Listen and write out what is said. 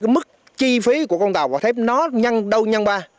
mức chi phí của con tàu vỏ thép nó nhăn đâu nhăn ba